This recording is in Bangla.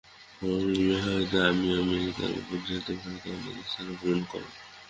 স্বামীজীর সহিত তিনি আমেরিকা, ইউরোপ ও ভারতের অনেক স্থানে ভ্রমণ করেন।